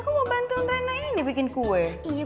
jangan deket sama anak kecil ya